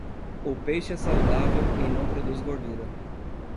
O peixe é saudável e não produz gordura.